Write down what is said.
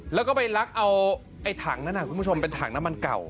แล้วก็ไปลักเอาไอ้ถังนั้นคุณผู้ชมเป็นถังน้ำมันเก่า